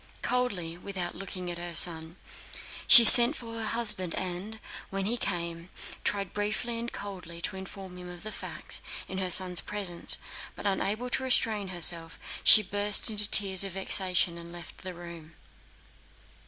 Coldly, without looking at her son, she sent for her husband and, when he came, tried briefly and coldly to inform him of the facts, in her son's presence, but unable to restrain herself she burst into tears of vexation and left the room.